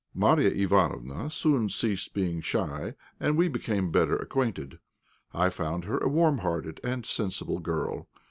Marya Ivánofna soon ceased being shy, and we became better acquainted. I found her a warm hearted and sensible girl.